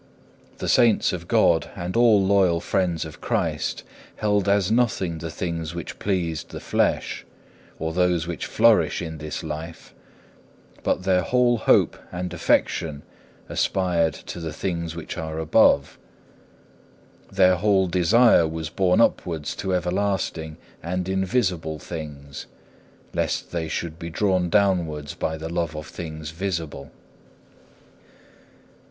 The saints of God and all loyal friends of Christ held as nothing the things which pleased the flesh, or those which flourished in this life, but their whole hope and affection aspired to the things which are above. Their whole desire was borne upwards to everlasting and invisible things, lest they should be drawn downwards by the love of things visible.